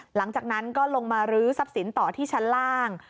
หลังจากนั้นก็ลงมารื้อทรัพย์สินต่อที่ชั้นล่าง